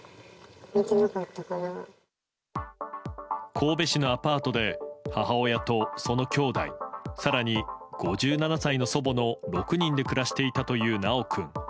神戸市のアパートで母親と、そのきょうだい更に５７歳の祖母の６人で暮らしていたという修君。